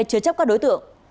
chứa chấp các đối tượng